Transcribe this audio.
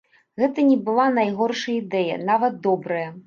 Гэта не была найгоршая ідэя, нават добрая.